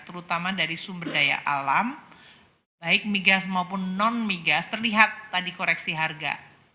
terutama dari sumber daya alam baik migas maupun non migas terlihat tadi koreksi harga